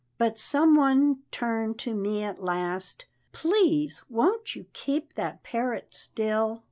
But some one turned to me at last, "Please, won't you keep that parrot still?"